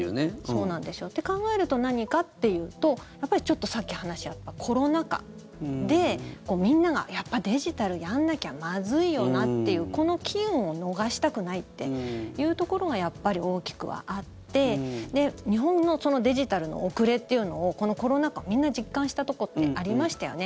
そうなんですよ。って考えると、何かっていうとやっぱり、ちょっとさっき話があったコロナ禍でみんながやっぱりデジタルやんなきゃまずいよなっていう、この機運を逃したくないっていうところがやっぱり大きくはあって日本のデジタルの遅れというのをこのコロナ禍みんな実感したところってありましたよね。